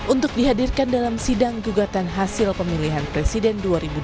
untuk dihadirkan dalam sidang gugatan hasil pemilihan presiden dua ribu dua puluh